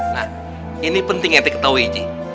nah ini penting yang diketahui sih